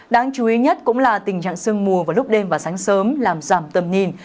đáng chú ý nhất cũng là tình trạng sương mù vào lúc đêm và sáng sớm làm giảm tầm nhìn